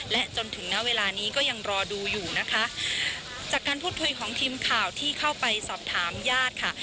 และจนถึงณเวลานี้ก็ยังรอดูอยู่นะคะจากการพูดคุยของทีมข่าวที่เข้าไปสอบถามญาติค่ะ